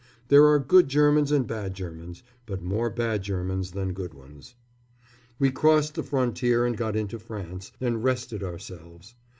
There are good Germans and bad Germans; but more bad Germans than good ones. We crossed the frontier and got into France, and rested ourselves.